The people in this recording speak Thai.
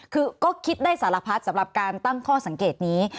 คือก็คิดได้สารพัดสำหรับการตั้งข้อสังเกตนี้